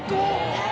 はい。